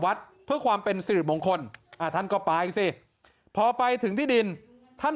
วัดเพื่อความเป็นสิริมงคลท่านก็ไปสิพอไปถึงที่ดินท่าน